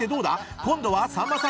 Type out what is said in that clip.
［今度はさんまさん